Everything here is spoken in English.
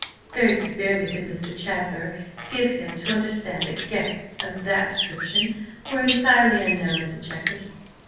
Very severely did Mr. Chadber give him to understand that guests of that description were entirely unknown at the Chequers.